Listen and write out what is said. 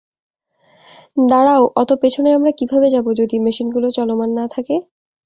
দাঁড়াও, অত পেছনে আমরা কীভাবে যাবো যদি মেশিনগুলো চলমান না থাকে?